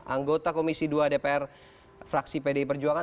anggota komisi dua dpr fraksi pdi perjuangan